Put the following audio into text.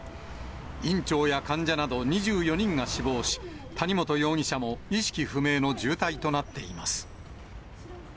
院長や患者など２４人が死亡し、谷本容疑者も意識不明の重体となっています。